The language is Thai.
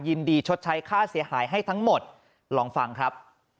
ชดใช้ค่าเสียหายให้ทั้งหมดลองฟังครับ